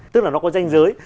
tức là nó có danh giới